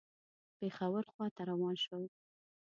پېښور خواته روان شول.